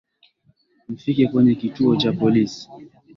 Mfike kwenye kituo cha polisi